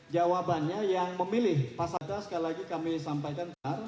jawabannya yang memilih pasangan sekali lagi kami sampaikan